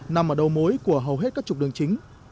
nằm ở đầu mối của hầu hết các trục đường chính